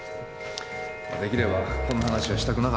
できればこんな話はしたくなかったんですが。